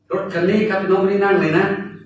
รถจากนี้ครับน้องไม่ได้นั่งเลยนะ